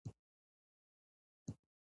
افغانان څومره هیلې لري؟